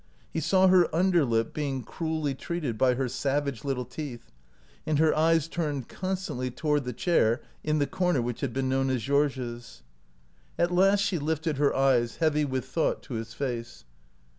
He saw her under lip being cruelly treated by her savage little teeth, and her eyes turned constantly toward the chair in . the corner which had been known as Georges'. OUT OF BOHEMIA At last she lifted her eyes, heavy with thought, to his face.